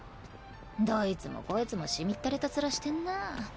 どいつもこいつもしみったれた面してんなぁ。